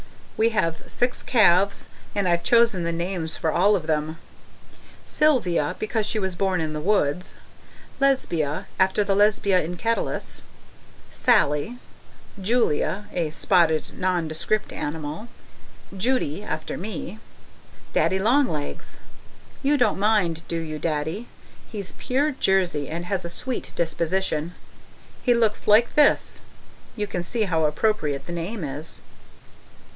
We have six calves; and I've chosen the names for all of them. 1. Sylvia, because she was born in the woods. 2. Lesbia, after the Lesbia in Catullus. 3. Sallie. 4. Julia a spotted, nondescript animal. 5. Judy, after me. 6. Daddy Long Legs. You don't mind, do you, Daddy? He's pure Jersey and has a sweet disposition. He looks like this you can see how appropriate the name is.